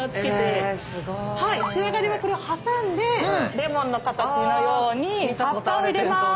仕上がりはこれを挟んでレモンの形のように葉っぱを入れます。